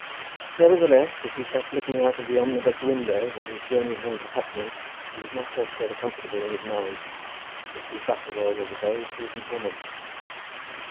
Nevertheless, as he sat looking out of the omnibus window, on his journey home to Putney, he was not altogether comfortable in his mind. Mrs. Butterwell was a very prudent woman.